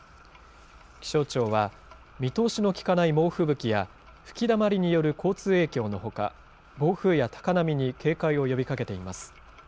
気象庁は、見通しの利かない猛吹雪や吹きだまりによる交通影響のほか、暴風や高波に警戒を呼びかけています。